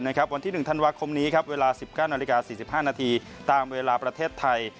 วันที่๑ธันวาคมนี้เวลา๑๙๔๕นตามเวลาประเทศไทย